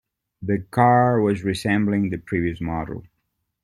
The car was resembling the previous model.